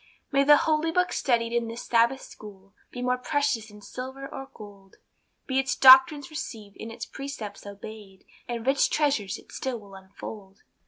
May the Holy Book studied in this Sabbath School, Be more precious than silver or gold; Be its doctrines received, and its precepts obeyed, And rich treasures it still will unfold.